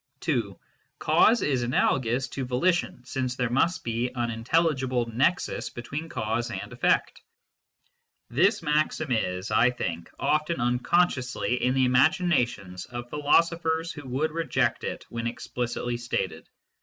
(2) ^Cause is analogous to volition, since there must be an intelligible nexus between cause and effect, j This maxim is, I think, often unconsciously in the imagina tions of philosophers who would reject it when explicitly stated.